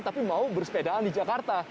tapi mau bersepedaan di jakarta